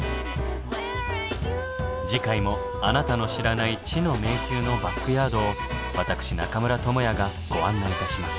次回もあなたの知らない知の迷宮のバックヤードを私中村倫也がご案内いたします。